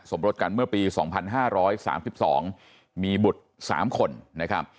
สมรสกันเมื่อปี๒๕๓๒มีบุตร๓คนนะครับ